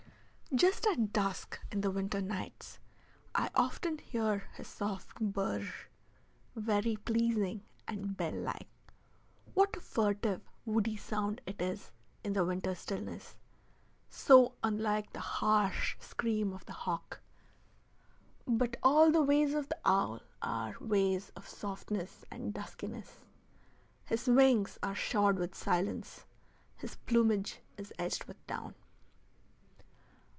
Just at dusk in the winter nights, I often hear his soft bur r r r, very pleasing and bell like. What a furtive, woody sound it is in the winter stillness, so unlike the harsh scream of the hawk. But all the ways of the owl are ways of softness and duskiness. His wings are shod with silence, his plumage is edged with down.